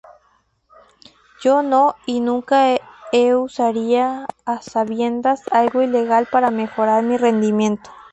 Yo no y nunca he usaría a sabiendas algo ilegal para mejorar mi rendimiento.